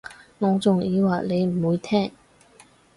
我仲以為你唔會聽